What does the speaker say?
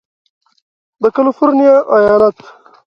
د کالفرنیا ایالت